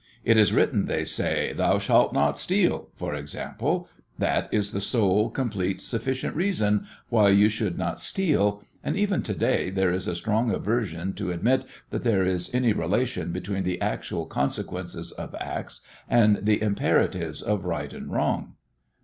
It is written, they say. "Thou shalt not steal," for example that is the sole, complete, sufficient reason why you should not steal, and even to day there is a strong aversion to admit that there is any relation between the actual consequences of acts and the imperatives of right and wrong.